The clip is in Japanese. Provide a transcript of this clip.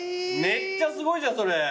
めっちゃすごいじゃんそれ。